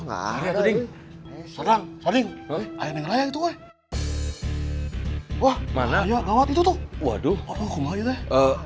ngarek sedih serang sering ayah itu wah mana ya ngawet itu tuh waduh aku mah udah